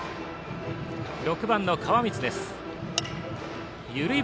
６番の川満です。